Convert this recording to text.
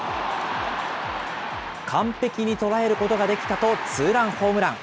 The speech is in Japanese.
完璧に捉えることができたとツーランホームラン。